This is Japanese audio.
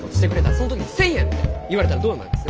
その時に「１，０００円！」って言われたらどう思います？